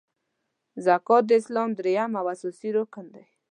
زکات د اسلام دریم او اساسې رکن دی .